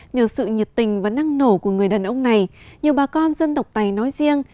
nhờ sự nhiệt tình và năng nổ của người đàn ông này nhiều bà con dân tộc tây nói riêng